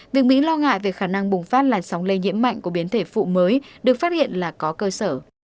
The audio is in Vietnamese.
việc mỹ lo ngại về khả năng bùng phát làn sóng lây nhiễm mạnh của biến thể phụ mới được phát hiện là có cơ sở